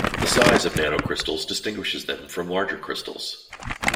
The size of nanocrystals distinguishes them from larger crystals.